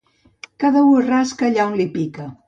Cada u es rasca allà on li pica.